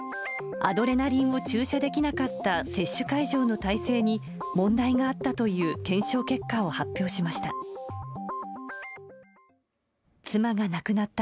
アドレナリンを注射できなかった接種会場の体制に、問題があったという検証結果を発表しました。